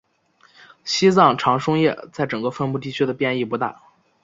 西藏长叶松在整个分布地区的变异不大。